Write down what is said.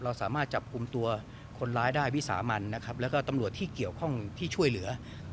สามารถจับกลุ่มตัวคนร้ายได้วิสามันนะครับแล้วก็ตำรวจที่เกี่ยวข้องที่ช่วยเหลือ